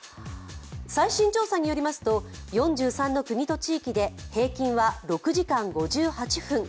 最新調査によりますと４３の国と地域で平均は６時間５８分。